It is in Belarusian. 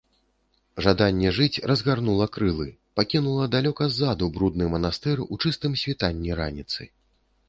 Жаданне жыць разгарнула крылы, пакінула далёка ззаду брудны манастыр у чыстым світанні раніцы.